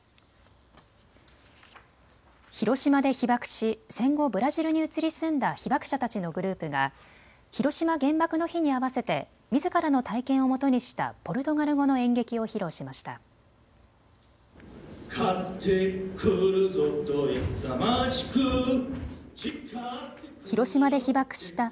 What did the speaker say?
広島で被爆し戦後ブラジルに移り住んだ被爆者たちのグループが広島原爆の日に合わせてみずからの体験をもとにしたポルトガル語の演劇を披露しました。